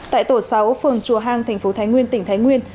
tại tổ sáu phường chùa hang thành phố thái nguyên tỉnh thái nguyên